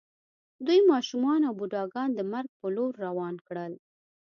دوی ماشومان او بوډاګان د مرګ په لور روان کړل